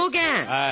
はい。